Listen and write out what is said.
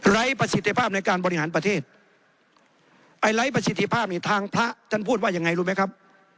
ประสิทธิภาพในการบริหารประเทศไอ้ไร้ประสิทธิภาพนี่ทางพระท่านพูดว่ายังไงรู้ไหมครับ